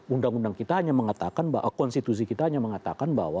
undang undang kita hanya mengatakan bahwa konstitusi kita hanya mengatakan bahwa